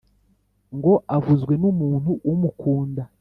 ngo avuzwe n’umuntu umukunda